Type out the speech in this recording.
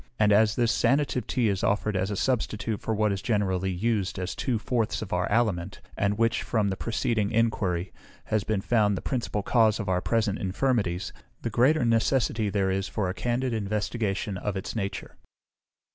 And as this sanative tea is offered as a substitute for what is generally used as two fourths of our aliment, and which, from the preceding enquiry, has been found the principal cause of our present infirmities, the greater necessity there is for a candid investigation of its nature.